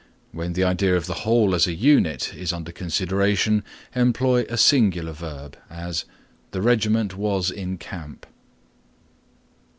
When the idea of the whole as a unit is under consideration employ a singular verb; as The regiment was in camp.